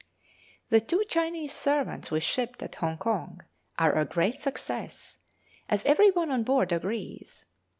The two Chinese servants we shipped at Hongkong are a great success, as every one on board agrees.